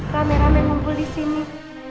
rame rame ngumpul di sini